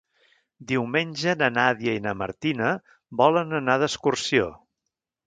Diumenge na Nàdia i na Martina volen anar d'excursió.